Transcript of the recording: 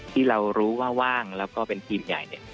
ที่เรารู้ว่าว่างแล้วก็เป็นทีมใหญ่เนี่ย